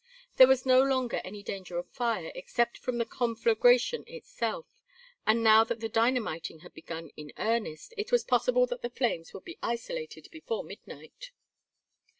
There was no longer any danger of fire except from the conflagration itself, and now that the dynamiting had begun in earnest it was possible that the flames would be isolated before midnight.